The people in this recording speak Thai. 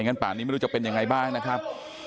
ป่านนี้ไม่รู้จะเป็นยังไงบ้างนะครับ